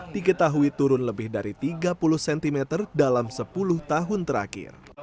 diketahui turun lebih dari tiga puluh cm dalam sepuluh tahun terakhir